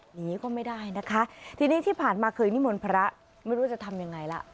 หนีก็ไม่ได้นะคะทีนี้ที่ผ่านมาเคยนิมนต์พระไม่รู้จะทำยังไงล่ะ